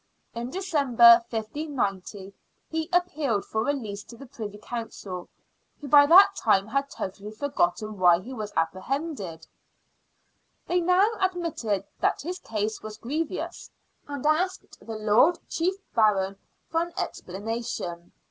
In December, 1590, he appealed for release to the Privy Council, who by that time had totally forgotten why he was apprehended. They now admitted that his case was " grievous," and asked the Lord Chief Baron for an explanation.